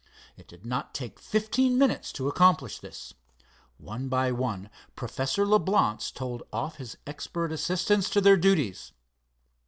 It did not take fifteen minutes to accomplish this. One by one Professor Leblance told off his expert assistants to their duties.